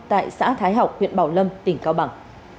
tại xã thái học huyện bảo lâm tỉnh cao bằng